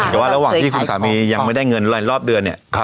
แต่ว่าระหว่างที่คุณสามียังไม่ได้เงินรอบเดือนเนี่ย